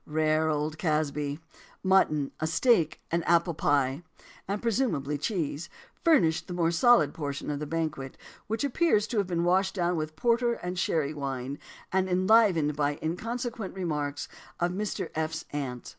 Rare old Casby! "Mutton, a steak, and an apple pie" and presumably cheese furnished the more solid portion of the banquet, which appears to have been washed down with porter and sherry wine, and enlivened by the inconsequent remarks of "Mr. F.'s Aunt."